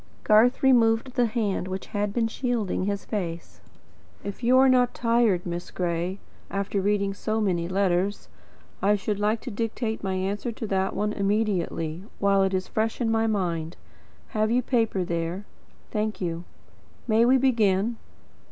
Garth removed the hand which had been shielding his face. "If you are not tired, Miss Gray, after reading so many letters, I should like to dictate my answer to that one immediately, while it is fresh in my mind. Have you paper there? Thank you. May we begin?